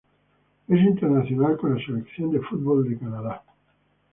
Es internacional con la Selección de fútbol de Canadá.